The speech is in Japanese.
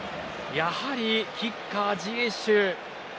やはり、キッカーのジエシュ。